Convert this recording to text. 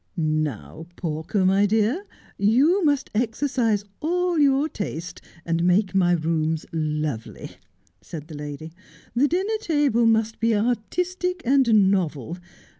' Now, Pawker, my dear, you must exercise all your taste, and make my rooms lovely,' said the lady. ' The dinner table must be artistic and novel.